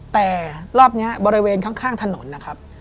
แต่รอบนี้บริเวณข้างถนนนะครับ